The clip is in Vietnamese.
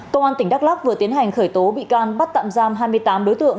công an tỉnh đắk lắc vừa tiến hành khởi tố bị can bắt tạm giam hai mươi tám đối tượng